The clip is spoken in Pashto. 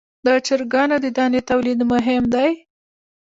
د چرګانو د دانې تولید مهم دی